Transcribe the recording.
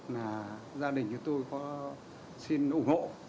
là gia đình như tôi có xin ủng hộ